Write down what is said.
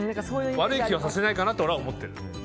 悪い気はさせないかなと俺は思ってる。